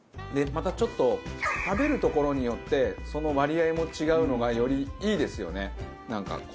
またちょっと食べるところによってその割合も違うのがよりいいですよねなんか。